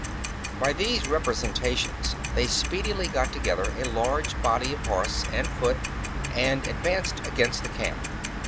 By these representations they speedily got together a large body of horse and foot, and advanced against the camp.